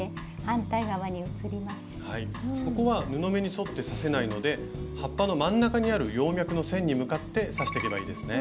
はいここは布目に沿って刺せないので葉っぱの真ん中にある葉脈の線に向かって刺していけばいいですね。